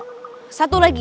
oh satu lagi